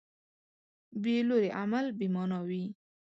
بېلوري عمل بېمانا وي.